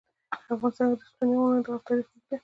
په افغانستان کې د ستوني غرونه تاریخ اوږد دی.